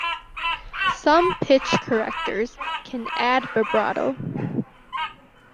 Some pitch correctors can add vibrato.